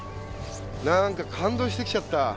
何か感動してきちゃった。